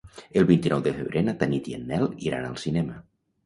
El vint-i-nou de febrer na Tanit i en Nel iran al cinema.